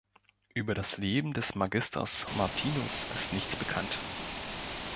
Über das Leben des Magisters Martinus ist nichts bekannt.